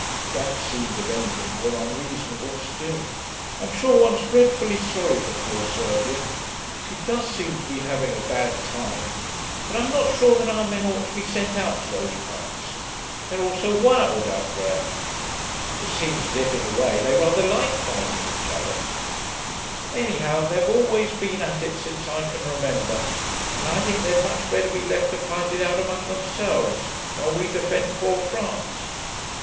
That seemed, if anything, more unreasonable still. 'I'm sure one's dreadfully sorry for poor Serbia she does seem to be having a bad time; but I'm not sure that our men ought to be sent out to those parts. They're all so wild out there; it seems as if, in a way, they rather like fighting each other; anyhow they've always been at it since I can remember, and I think they'd much better be left to fight it out among themselves, while we defend poor France.